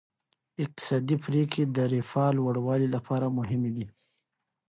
اقتصادي پریکړې د رفاه لوړولو لپاره مهمې دي.